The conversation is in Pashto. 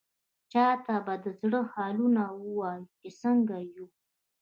چا ته به د زړه حالونه ووايو، چې څنګه يو؟!